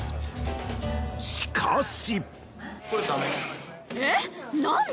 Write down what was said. しかし。